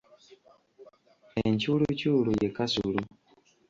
Encuuluculu ye Kasulu.